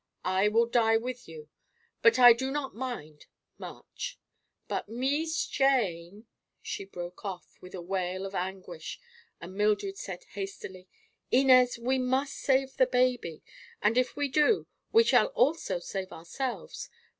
I will die with you; but I do not mind—much. But Mees Jane—" She broke off with a wail of anguish and Mildred said hastily: "Inez, we must save the baby! And, if we do, we shall also save ourselves.